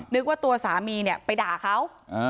นึกว่าตัวสามีเนี่ยไปด่าเขา